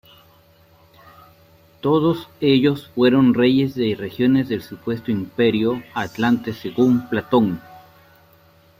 Todos ellos fueron reyes de regiones del supuesto imperio atlante según Platón.